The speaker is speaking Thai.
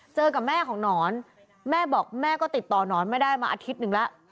เจอกับแม่ของหนอนแม่บอกแม่ก็ติดต่อหนอนไม่ได้มาอาทิตย์หนึ่งแล้ว